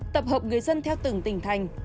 tập hợp người dân theo từng tỉnh thành